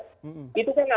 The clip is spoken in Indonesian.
itu kan alasannya ke sana ya